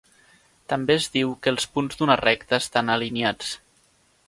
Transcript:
També es diu que els punts d'una recta estan alineats.